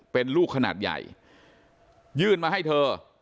เป็นลูกขนาดใหญ่ยื่นมาให้เธอ